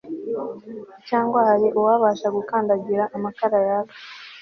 Cyangwa hari uwabasha gukandagira amakara yaka